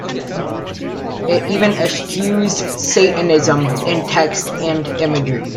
It even eschews Satanism in text and imagery.